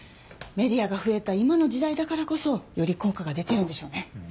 メディアがふえた今の時代だからこそよりこうかが出てるんでしょうね。